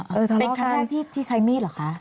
เป็นครั้งแรกที่ใช้มีดเหรอคะ